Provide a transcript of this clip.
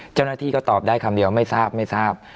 เจ้าหน้าที่ก็ตอบได้คำเดียวไม่ทราบไม่ทราบ